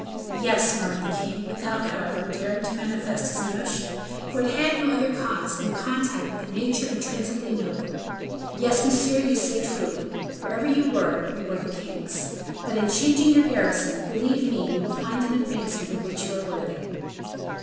"Yes," murmured the king, without, however daring to manifest his emotion, for it had no other cause than contact with a nature intrinsically noble. "Yes, monsieur, you say truly: wherever you were, you were the king's. But in changing your garrison, believe me you will find an advancement of which you are worthy."